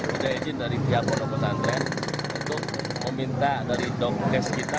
ada izin dari pihak pondok pesantren untuk meminta dari domkes kita